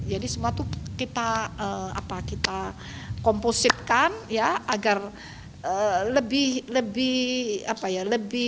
jadi semua itu kita kompositkan ya